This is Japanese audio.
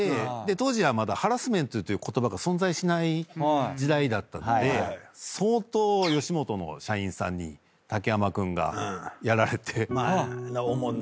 当時はまだハラスメントという言葉が存在しない時代だったので相当吉本の社員さんに竹山君がやられて。